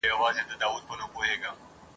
په انګلستان کي یو شهزاده دی ..